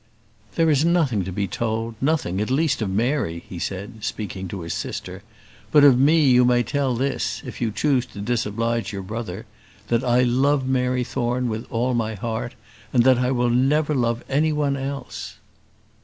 "There is nothing to be told, nothing, at least of Mary," he said, speaking to his sister; "but of me, you may tell this, if you choose to disoblige your brother that I love Mary Thorne with all my heart; and that I will never love any one else."